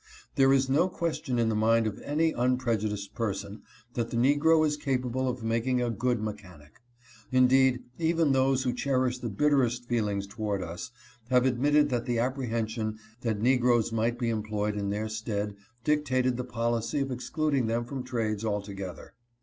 There is no question in the mind of any unprejudiced person that the Negro is capable of making a good mechanic. Indeed, even those who cherish the bitterest feelings toward us have admitted that the apprehension that negroes might be employed in their stead dictated the policy of excluding them from trades altogether.